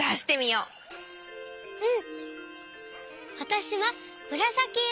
うん。